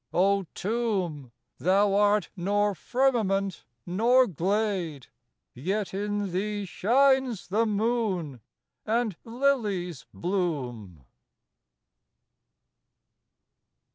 O Tomb, thou art nor firmament nor glade, Yet in thee shines the moon and lilies bloom.